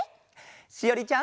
しおりちゃん。